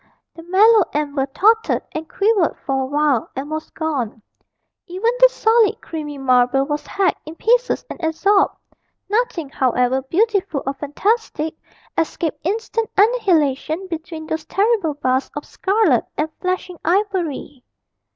The mellow amber tottered and quivered for a while and was gone; even the solid creamy marble was hacked in pieces and absorbed; nothing, however beautiful or fantastic, escaped instant annihilation between those terrible bars of scarlet and flashing ivory.